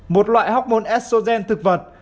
một loại học môn estrogen thực vật